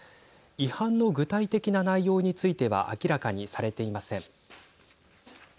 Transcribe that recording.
違反の具体的な内容については明らかにされていません。